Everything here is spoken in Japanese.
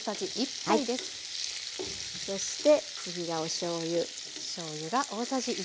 そして次がおしょうゆ。